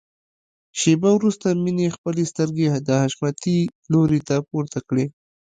شېبه وروسته مينې خپلې سترګې د حشمتي لوري ته پورته کړې.